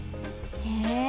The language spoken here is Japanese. へえ。